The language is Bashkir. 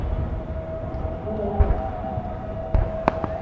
Күрәбеҙ.